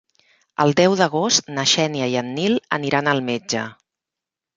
El deu d'agost na Xènia i en Nil aniran al metge.